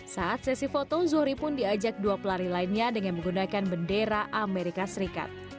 saat sesi foto zohri pun diajak dua pelari lainnya dengan menggunakan bendera amerika serikat